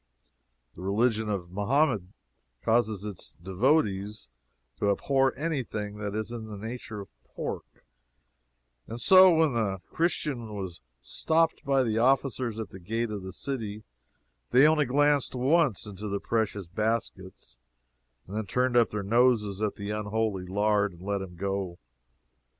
The religion of Mahomet causes its devotees to abhor anything that is in the nature of pork, and so when the Christian was stopped by the officers at the gates of the city, they only glanced once into his precious baskets, then turned up their noses at the unholy lard, and let him go.